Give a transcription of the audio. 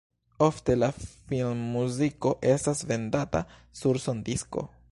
Ofte la filmmuziko estas vendata sur sondisko.